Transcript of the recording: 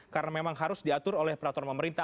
karena memang harus diatur oleh peraturan pemerintah